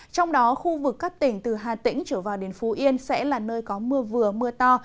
trong đó khu vực các tỉnh từ hà tĩnh trở vào đến phú yên sẽ là nơi có mưa vừa mưa to